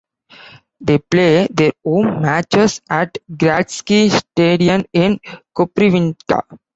They play their home matches at Gradski stadion in Koprivnica.